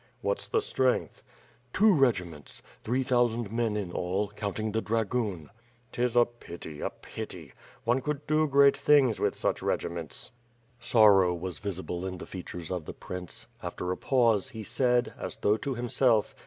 "What's the strength?" "Two regiments. Three thousand men in all, counting the dragoon." "' Tis a pity, a pity. One could do great things with such regiments." Sorrow was visible in the features of the prince. After a pause he said, as though to himself.